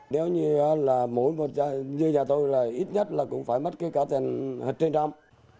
nếu như là mỗi một như nhà tôi là ít nhất là cũng phải mất cái cả tên hạt trên trong